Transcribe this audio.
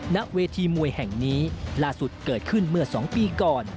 ณเวทีมวยแห่งนี้ล่าสุดเกิดขึ้นเมื่อ๒ปีก่อน